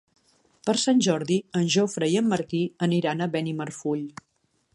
Per Sant Jordi en Jofre i en Martí aniran a Benimarfull.